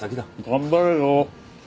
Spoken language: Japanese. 頑張れよ。